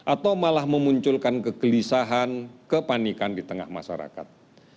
atau malah memunculkan kegelisahan kepanikan di tengah masyarakat